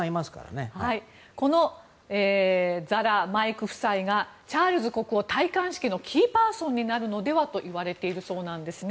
このザラ、マイク夫妻がチャールズ国王戴冠式のキーパーソンになるのではといわれているそうなんです。